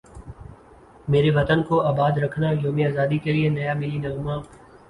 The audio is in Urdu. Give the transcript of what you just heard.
میرے وطن کو اباد رکھنایوم ازادی کے لیے نیا ملی نغمہ